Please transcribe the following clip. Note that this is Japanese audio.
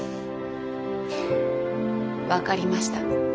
分かりました。